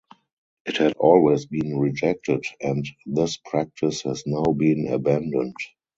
It had always been rejected and this practice has now been abandoned.